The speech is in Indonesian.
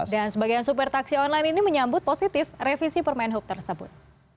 dan sebagian super taksi online ini menyambut positif revisi permain hub tersebut